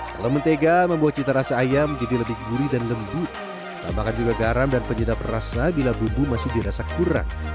kalau mentega membuat cita rasa ayam jadi lebih gurih dan lembut tambahkan juga garam dan penyedap rasa bila bumbu masih dirasa kurang